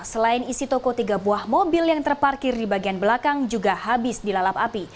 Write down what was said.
selain isi toko tiga buah mobil yang terparkir di bagian belakang juga habis dilalap api